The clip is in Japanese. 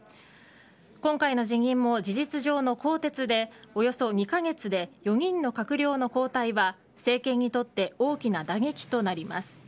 今回の辞任も、事実上の更迭でおよそ２カ月で４人の閣僚の交代は政権にとって大きな打撃となります。